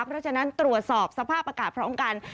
เพราะฉะนั้นตรวจสอบสภาพอากาศพร้อมกัน